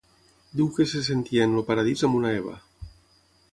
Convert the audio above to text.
Diu que se sentia en el Paradís amb una Eva.